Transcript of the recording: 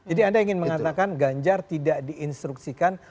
jadi anda ingin mengatakan ganjar tidak diinstruksikan